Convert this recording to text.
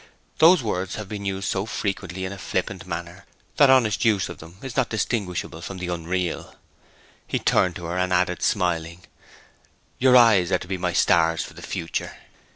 Those words have been used so frequently in a flippant manner that honest use of them is not distinguishable from the unreal.' He turned to her, and added, smiling, 'Your eyes are to be my stars for the future.'